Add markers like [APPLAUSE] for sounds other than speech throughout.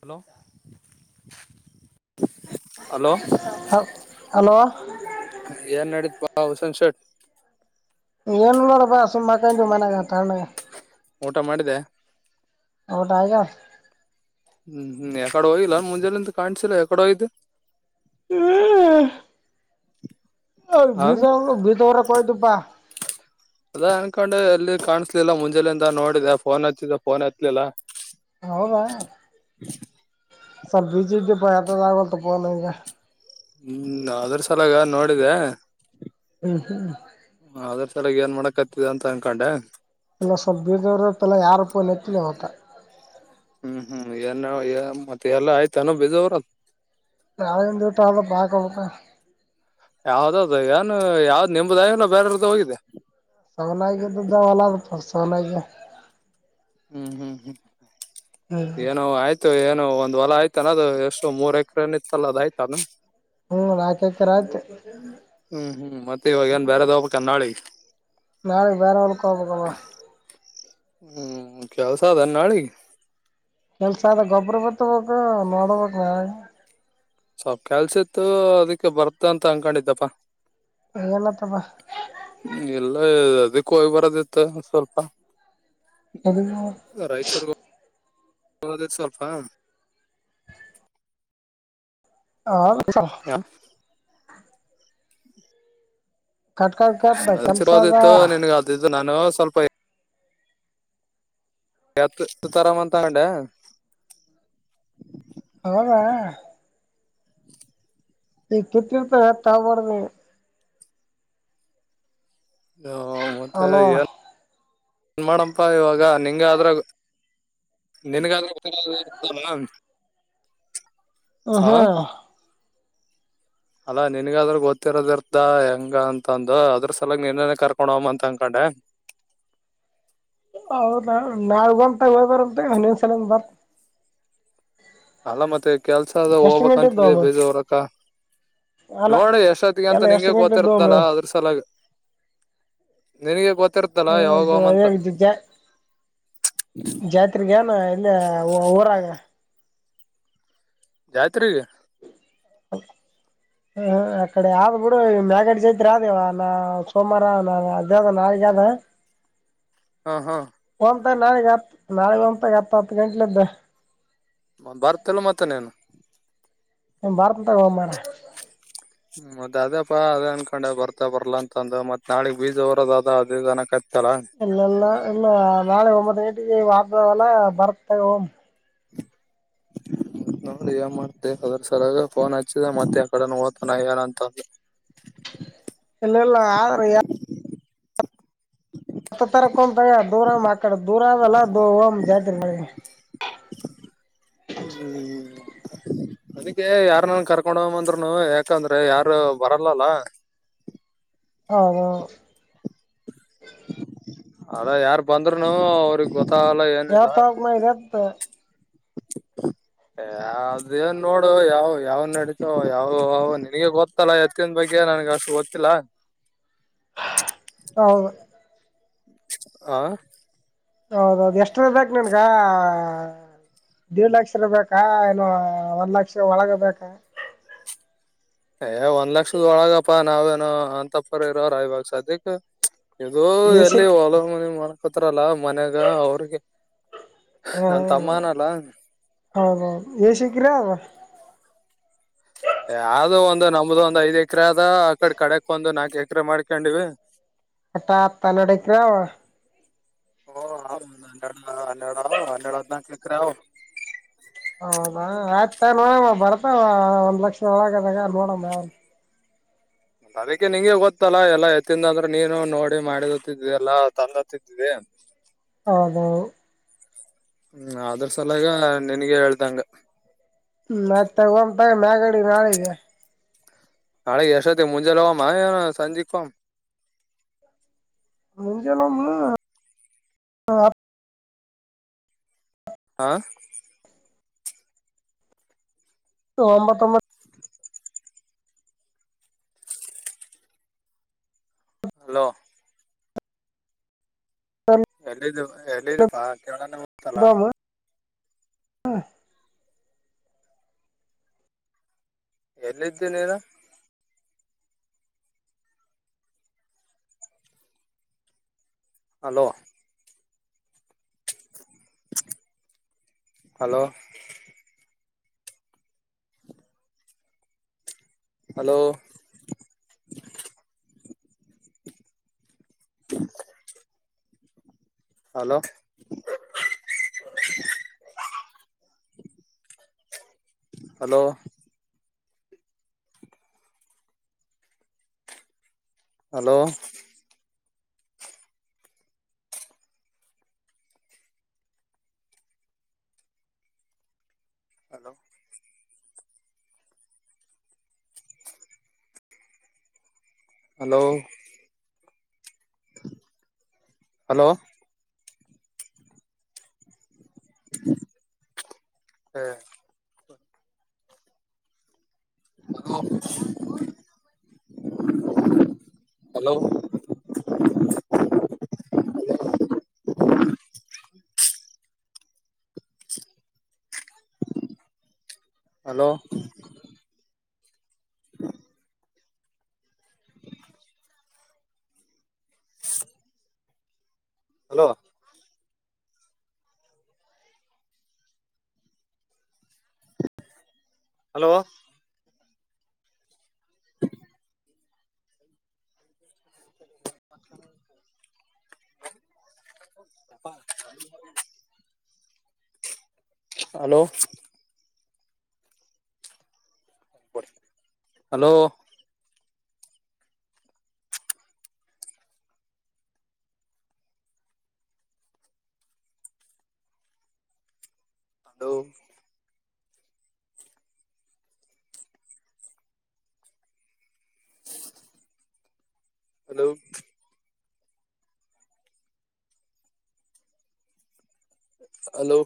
Hello. Hello ಹ hello. ಏನ್ ನಡೀತ್ ಬಾ ಹುಸನ್ ಶೇಟ್. ಏನುಲ್ಲ ರ ಬಸು ಮಕಂ ಮಂತೆ. ಊಟ ಮಾಡಿದೆೆ. ಅವಟಾಯಗ. ಹ್ಮ್ ಹ್ಮ್ ಯಕಡೆ ಹೋಗ್ಲ್ಲ ಮುಂಜಾನೆಿಂದ ಕಾಣಸಿಲ್ಲ ಯಕಡೆೋಯ್ತು. ಹ್ಮ್. ಹ ಬೀಸ ಬೀಜವಊರ ಕೊಯತುಪ್ಪಾ. ಅದ ಅನ್ಕೊಂಡು ಎಲ್ಲಿ ಕಾಣಿಸ್ಲಿಲ್ಲ ಮುಂಜೆಲಿಂದ ನೋಡಿದೆ ಫೋನ್ ಹತ್ತಿದೆ ಫೋನ್ ಹತ್ಲಿಲ್ಲ. ಹೌದ. ಸಲ್ ಬೀಜಿ ಇಟ್ಟ ಪ ಯತ್ರದಗೋತಪ್ಪನಗ. ಹ್ಮ್ ಅದ್ರ ಸಲಾಗ ನೋಡಿದೆ. ಹ್ಮ್ ಹ್ಮ್. ಅದ್ರ ಸಲಾಗಿ ಏನ್ ಮಾಡಕ್ತ್ತಿದ ಅಂತ ಅನ್ಕೊಂಡೆ. ಇಲ್ಲ ಸ್ವಲ್ಪ ಬೀರ್ದವ್ರ ಪಲ್ಲ ಯಾರೂಪ್ಪಲತ್ತಿಲ್ಲ ಮಟ. ಹ್ಮ್ ಹ್ಮ್ ಏನ ಮತ್ತೆ ಎಲ್ಲ ಆಯ್ತಾನೋ ಬೇಜಾವ್ರ. ನಾಳ ದಟಲ್ಲ ಬಾ ಕೊಲ್ಬೇಕ. ಯಾವ್ದದ ಏನ್ ಯಾವ್ದ್ ನೆಂಬದ ಆಲ್ಲ ಬೇರೆ್ದು ಹೋಗಿದೆ. ಸಾವನಾಯಗೆ್ದಲ್ಲ ಸಾವನಾಯಗೆ. ಹ್ಮ್ ಹ್ಮ್ ಹ್ಮ್ ಹ್ಮ್ ಏನೋ ಆಯ್ತು ಏನುೋ ಒ. ಒಂದು್ ಹೊಲ ಆಯ್ತಾನ ಅದು ಎಷ್ಟು ಮೂರ್ ಎಕರೆನ ಇತ್ತಲ್ಲ ಅದ ಆಯ್ತ ಅದ. ಹ್ಮ್ ರಾಕಕರ ಆ್ತ. ಹ್ಮ್ ಹ್ಮ್ ಮತ್ತೆ ಇವಾಗ ಏನ್ ಬೇಾರದಬ ಕನ್ನಾಳಿ. ನಾಳೆಗ್ ಬೇರೆ ಅವಳಕ ಹಬೇಕವಾ. ಹ್ಮ್ ಕೆಲ್ಸಾ ಅದಾ ಎನ್ ನಾಳಿಗ್. ಕೆಲ್ಸ ಆದ ಗೊಬ್ಬ್ರ ಬಿತ್ತಬೇಕು ನೋಡ್ಬೇಕ್ ನಾಳೆ. ಸ್ವಲ್ ಕೆಲ್ಸ ಇತ್ತು ಅದಕ್ಕೆ ಬರ್ತ ಅಂತ ಅನ್ಕೊಂಡಿದ್ದಪ್ಪಾ. ಹ್ಮ ಇಲ್ಲೇ ಇದಕ್ಕ ಹೋಗಿ ಬರದಿತ್ತು ಸ್ವಲ್ಪ. ಎಲಿಗಿ. ಹೋಗೋದ್ ಇತ್ತ್ ಸ್ವಲ್ಪ. ಓ ಯಾ ಕಟ್ ಕಟ್ ಕಟ್ [UNINTELLIGIBLE] ಕೆಲ್ಸ ಅದ ನಿನಗ್ಗ್ ಅದು ಇದು ನಾನು ಸ್ವಲ್ಪ ಎತ್ತು ತರಾಮ ಅಂತ ಅನ್ಕೊಂಡೆ. ಹೌದಾ. ಈ ತುಟ್ಟಿ ಇರ್ತಾವ್ ಎತ್ತ ತೋಗೋಬಾರ್ದ ಈಗ್. ಅಯ್ಯೋ ಮತ್ತೆ ಅಲೋ ಏನ್ ಏನ್ ಮಾಡಪ್ಪ ಇವಾಗ ನಿಂಗ ಆದ್ರಾಗ ನಿನಗ ಅದರ ಬಗ್ಗೆ ಎಲ್ಲಾ ಇದು ಇರ್ತದ ಅಲಾ. ಹ ಹ್ಮ ಅಲ್ಲಾ ನಿನ್ಗಾದ್ರ ಗೊತ್ತಿರೋದ ಇರ್ತ ಹೆಂಗ ಅಂತಂದು ಅದ್ರ ಸಲಗ್ ನಿನ್ನನೆ ಕರ್ಕೊಂಡ ಹೋಮ್ಮ್ ಅಂತ ಅನ್ಕೊಂಡೆ. [UNINTELLIGIBLE] ಹೌದಾ ನಾಳೆ ಬಂತ ಹೋಗಿ ಬರಂ ತೊಗೊ ನಿನ್ನ ಸಲ್ಯಂದ ಬರ್ತ್ ಅಲ್ಲ ಮತ್ತೆ ಕೆಲ್ಸ ಅದ ಗಂಟೆದ್ದು ಹೋಗ್ಬಕ್ಂತಿದೀ ಅಮ್ಮ ಬೀಜ ಉರಕ್ಕಾ. ಅಲ್ಲ ನೋಡ ಎಷ್ಟೊತ್ತಿಗೆ ಅಂತ ಎಲ್ಲ ಎಷ್ಟು ನಿಂಗೆ ಗಂಟೆದ್ದು ಅಮ್ಮ ಗೊತ್ತಿರ್ತಲ್ಲ ಅದ್ರ ಸಲಾಗ. ನಿನಗೆ ಗೊತ್ತಿರ್ತಲ್ಲ ಯಾವಾಗ ಹೋಮ್ಮಂತ. ಜಾತ್ರೆಗೆನ್ ಇಲ್ಲೆ ಊರಾಗ. ಜಾತ್ರಿಗಿ. ಹೌ [UNINTELLIGIBLE] ಹ ಅ ಕಡೆ ಆದ್ ಬಿಡು ಮ್ಯಾಗಡಿ ಜಾತ್ರಿ ಆದೇವ ನಾ ಸೋಮಾರ ನಾ [UNINTELLIGIBLE] ತ್ರಿ ಆದ. ಹಾ ಹಾ ನಾಳೆಗೆ ಹತ್ ನಾಳೆ [UNINTELLIGIBLE] ಎತ್ತ ಹತ್ತ ಗಂಟ್ಲ ಎದ್ದ ಬರ್ತಿಲ್ ಮತ್ತ ನೀನು. ಏ ಬರ್ತನ ತೊಗೊ ಮಾರಾಯ. ಹ್ಮ ಮತ್ತ್ ಅದೇಪಾ ಅದೇ ಅನ್ಕೊಂಡೆ ಬರ್ತ ಬರ್ಲಾ ಅಂತ ಅಂದ ಮತ್ ನಾಳಿಗ್ ಬೀಜ್ ಉರೋದ ಅದ ಇದ ಅನ್ನಕತ್ತ ಇಲ್ಲಲ್ಲ ಇಲ್ಲ ನಾಳೆ ಒಂಬತ್ ಗಂಟೆಗೆ [UNINTELLIGIBLE] ಬರ್ತ ತೋಗೋ ಹೋಗಮ್. [UNINTELLIGIBLE] ನೋಡಿ ಏನ್ ಮಾಡ್ತಿ ಅದ್ರ ಸಲಾಗ ಫೋನ್ ಹಚ್ಚಿದೇ ಮತ್ತೆ ಯಕಡನಾ ಹೋತನ ಏನ ಅಂತ ಅಂದ. [UNINTELLIGIBLE] ಇಲ್ಲಲ್ಲ ಆದ್ರ ಯಾ ಎತ್ತ ತರಕ ಹೋಗಮ್ ತೊಗೊ ದೂರ ಆಕಡೆ ದೂರಲ್ಲ ದಮ್ಮ ಜಾತ್ರಿ [UNINTELLIGIBLE] [UNINTELLIGIBLE] ಹ್ಮ್ ಅದಕ್ಕೆ ಯಾರ್ನ ಅರಾ ಕರ್ಕೊಂಡ ಹೋಗಮ್ ಅಂದ್ರುನು ಯಾಕಂದ್ರೆ ಯಾರು ಬರಲ್ಲ ಅಲಾ. ಹಾ ಹಾ. ಅದ ಯಾರ್ ಬಂದ್ರುನು ಅವ್ರಿಗ ಗೊತ್ತಾಗಲ್ಲ ಏನಿಲ್ಲ. ಯಾವ ತಾಲೂಕ್ ಮ ಇದೆ [UNINTELLIGIBLE] ಏ ಅದೇನ್ ನೋಡು ಯಾವ ಯಾವ ನಡತಾವ ಯಾವವ ನಿನಗೆ ಗೊತ್ತಲ್ಲ ಎತ್ತಿನ ಬಗ್ಗೆ. ನನಗ್ಗ್ ಅಷ್ಟ ಗೊತ್ತಿಲ್ಲ. ಹೌದು ಆ ಹೌದೌದು ಎಷ್ಟರದ ಬೇಕ್ ನೀನ್ಗ. ದಿಡ್ ಲಕ್ಷದ ಬೇಕಾ ಏನ ಒಂದ್ ಲಕ್ಷ ಒಳಗ ಬೇಕಾ. ಏ ಒಂದ್ ಲಕ್ಷದ ಒಳಗಪಾ ನಾವೇನೋ ಅಂತಪ್ಪರಿ ಇರೋರ ಇವಾಗ ಸದ್ಯಕ್ ಇದು ಎಸಿ ಎಲ್ಲಿ ಹೊಲ ಮನೆ ಮಾಡಕೋತಾರಲ್ಲ ಮನ್ಯಾಗ ಅವ್ರಿಗೆ ಹ ನನ್ ತಮ್ಮನಲ್ಲ ಹೌದೌದು ಎ ಶಂಕರ್ಯಾ ಯಾವ್ದ ಒಂದು ನಮ್ದು ಒಂದ ಐದ್ ಎಕ್ರೆ ಅದ ಆ ಕಡೆ ಕಡಕ್ ಒಂದು ನಾಕು ಎಕ್ರೆ ಮಾಡ್ಕೊಂಡಿವಿ. ಹಟಾ [UNINTELLIGIBLE] ಹನ್ನಡ ಅವ ಹನ್ನಡ ಹದ್ದನಾಲ್ಕು ಎಕ್ರೆ ಅದಾವ. ಹೌದಾ ಆಯ್ತ ನೋಡಮ್ಮ ಬರ್ತವ ಒಂದ್ ಲಕ್ಷ ನೊಳಗದಾಗ ನೋಡಮ್ಮ ಯಾವರ ಅದಕ್ಕೆ ನಿಂಗೆ ಗೊತ್ತಲ್ಲಾ ಎಲ್ಲಾ ಎತ್ತಿಂದ ಅಂದ್ರೆ ನೀನು ನೋಡಿ ಮಾಡಿತ್ತಿದವಿ ಎಲ್ಲಾ ತಂದತ್ತಿದ್ವಿ. [UNINTELLIGIBLE] ಹೌದು. ಹ್ಮ ಅದರ ಸಲಾಗ ನೀನ್ಗೆ ಹೇಳ್ದಂಗ. ಮತ್ತ ಹೋಗಮ್ಮ ತೊಗೊ ಮಾಗಡಿ ನಾಳಿಗೆ ನಾಳೆ ಎಷ್ಟೋತಿಗೆ ಮುಂಜೆಲೇ ಹೋಗಮ್ಮ ಏನ್ ಸಂಜಿಕ ಹೋಗುಮ್ ಮುಂಜಾಲೆ ಹೋಗುಮ್ ಹತ್ತ ಹಾ ಒಂಬತ್ತೊಂಬತ್ತು ಹಲೋ. ಒಂಬತ್ತೊಂಬತ್ತದಮ್ ಎಲ್ಲಿದ ಎಲ್ಲಿದಿಪಾ ಕೇಳಣ ಮುತಲ್ಲ ಹ್ಮ ಎಲ್ಲಿದ್ದೀ ನೀನ hello hello hello [UNINTELLIGIBLE] hello hello hello hello hello hello [UNINTELLIGIBLE] [INAUDIBLE] hello- [INAUDIBLE] hello- [INAUDIBLE] hello- hello- [INAUDIBLE] ಅಪ್ಪಾ - hello- hello. Hello. Hello. Hello.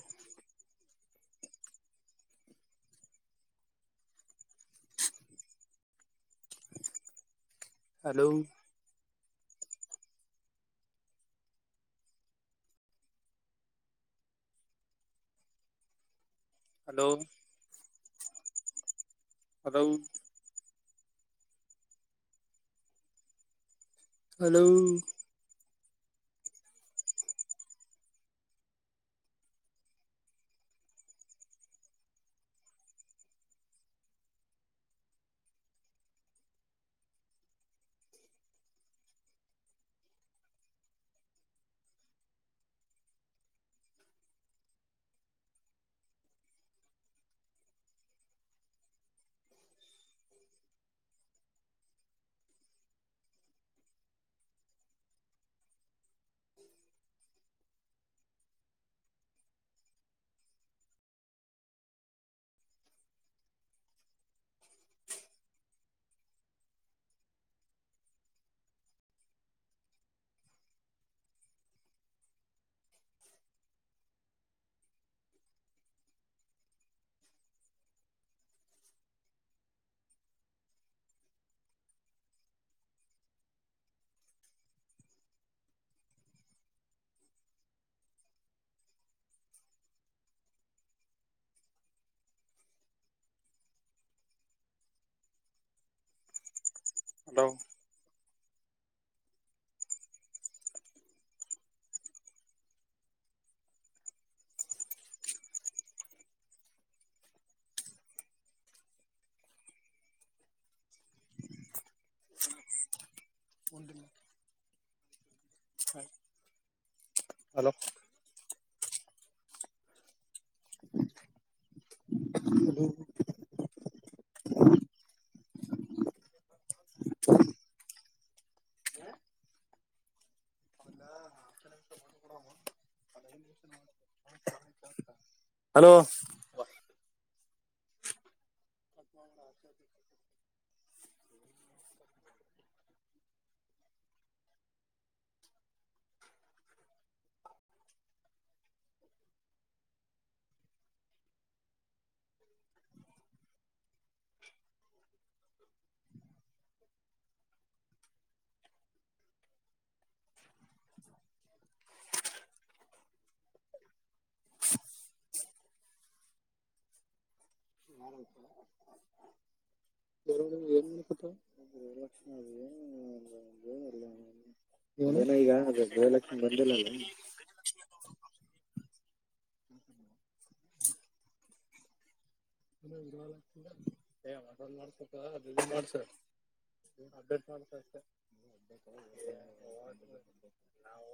Hello. Hello. Hello. Hello. Hello. Hello. Hello ಹ್ಮ ಲಕ್ಷ [UNINTELLIGIBLE] ಈಗ ಅ ದ ಗೃಹಲಕ್ಷ್ಮಿ ಬಂದಿಲ್ಲ ಅ ಮ ಮಾಡತ ಅ ಮಾಡಸ [UNINTELLIGIBLE] ಏನ್ ಅಪ್ಡೇಟ್ ಮಾಡ್ಸ್ ಅಷ್ಟೇ [UNINTELLIGIBLE] ನಾವು